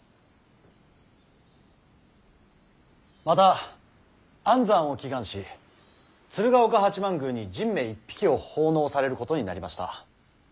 また安産を祈願し鶴岡八幡宮に神馬一匹を奉納されることになりました。